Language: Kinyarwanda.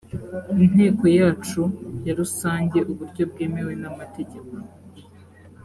inteko yacu ya rusange uburyo bwemewe n’amategeko